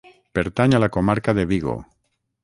Pertany a la comarca de Vigo.